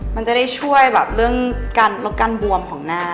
มันจะได้ช่วยแบบเรื่องการลดการบวมของหน้า